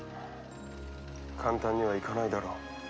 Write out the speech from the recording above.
簡単にはいかないだろう。